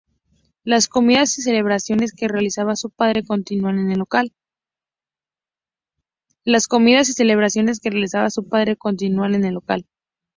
Las comidas y celebraciones que realizaba su padre continúan en el local.